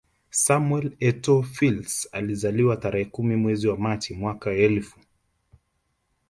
Samuel Etoo Fils alizaliwa tarehe kumi mwezi Machi mwaka elfu